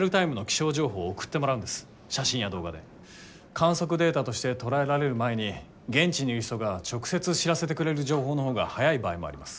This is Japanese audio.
観測データとして捉えられる前に現地にいる人が直接知らせてくれる情報の方が早い場合もあります。